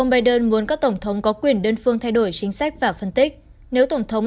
ông biden muốn các tổng thống có quyền đơn phương thay đổi chính sách và phân tích nếu tổng thống